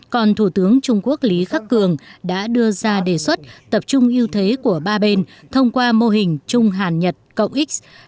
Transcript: còn thủ tướng trung quốc lý khắc cường đã đưa ra đề xuất tập trung ưu thế của ba bên thông qua mô hình trung hàn nhật x